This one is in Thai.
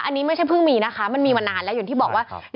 อันนี้ไม่ใช่เพิ่งมีนะคะมันมีมานานแล้วอย่างที่บอกว่า